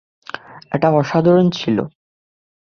এটা অসাধারণ ছিল।